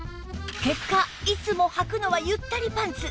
結果いつもはくのはゆったりパンツ